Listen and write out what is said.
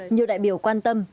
nhiều đại biểu quan tâm